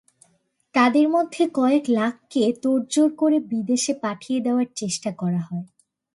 তাঁদের মধ্যে কয়েক লাখকে তোড়জোড় করে বিদেশে পাঠিয়ে দেওয়ার চেষ্টা করা হয়।